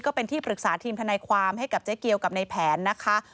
ก็เป็นที่ปรึกษาทีมทนายความให้กับเจ๊เกียวกับในแผนนะคะ